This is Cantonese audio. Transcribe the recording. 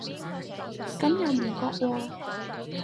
咁又唔覺喎